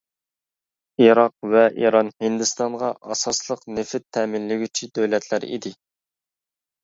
ئىراق ۋە ئىران ھىندىستانغا ئاساسلىق نېفىت تەمىنلىگۈچى دۆلەتلەر ئىدى.